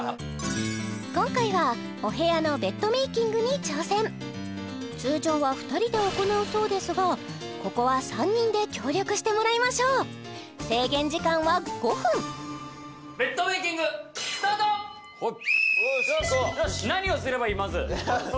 今回はお部屋のベッドメイキングに挑戦通常は２人で行うそうですがここは３人で協力してもらいましょう制限時間は５分ベッドメイキングよしいこう！